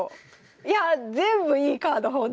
いや全部いいカードほんとに。